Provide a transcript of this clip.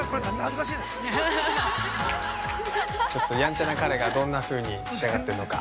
ちょっとヤンチャな彼がどんなふうに仕上がっているのか。